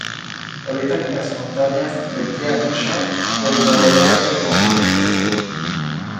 Habita en las montañas de Tian Shan del noroeste de China.